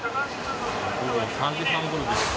午後３時半ごろです。